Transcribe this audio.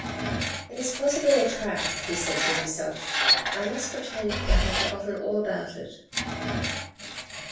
" It is possibly a trap," he said to himself, " I must pretend that I have forgotten all about it."